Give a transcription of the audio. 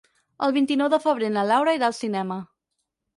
El vint-i-nou de febrer na Laura irà al cinema.